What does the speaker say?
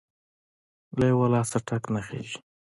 له يوه لاسه ټک نه خیژي!.